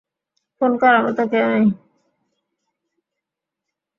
Phone করার মতো কেউ নেই?